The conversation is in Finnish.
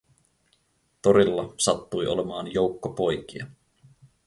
Torilla sattui olemaan joukko poikia.